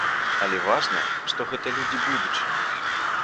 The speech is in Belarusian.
Але важна, што гэта людзі будучыні.